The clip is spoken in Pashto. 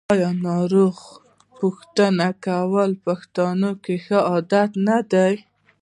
آیا ناروغ پوښتنه کول د پښتنو ښه عادت نه دی؟